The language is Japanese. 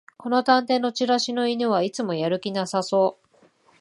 この探偵のチラシの犬はいつもやる気なさそう